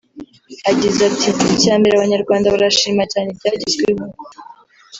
Agize ati “ Icya mbere Abanyarwanda barashima cyane ibyagezweho